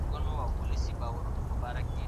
هغه څوک چي نه لولي تل به وروسته پاتې وي.